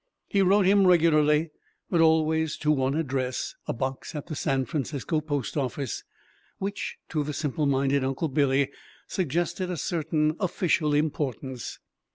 He wrote him regularly, but always to one address a box at the San Francisco post office, which to the simple minded Uncle Billy suggested a certain official importance.